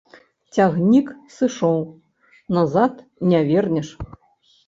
Цягнік сышоў, назад не вернеш.